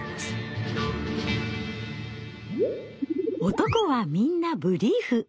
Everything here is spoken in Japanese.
男はみんなブリーフ。